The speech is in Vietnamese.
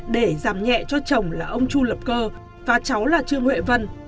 để giảm nhẹ cho chồng là ông chu lập cơ và cháu là trương huệ vân